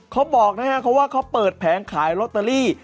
เขาบอกนะครับเขาว่าเขาเปิดแผงขายลอตเตอรี่